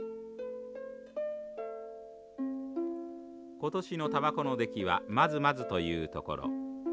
今年のたばこの出来はまずまずというところ。